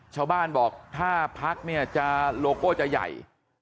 ชาวบ้านบอกถ้าพักเนี่ยจะโลโก้จะใหญ่